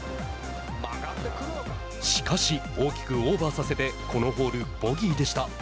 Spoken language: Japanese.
しかし、大きくオーバーさせてこのホール、ボギーでした。